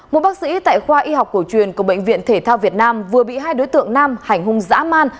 một bác sĩ tại khoa y học cổ truyền của bệnh viện thể thao việt nam vừa bị hai đối tượng nam hành hung giã man